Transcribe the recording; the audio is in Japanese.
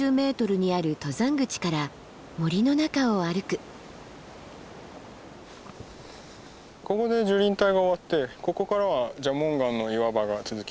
ここで樹林帯が終わってここからは蛇紋岩の岩場が続きます。